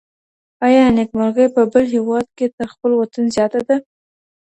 ایا نېکمرغي په بل هیواد کي تر خپل وطن زیاته ده؟